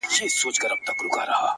لكه برېښنا،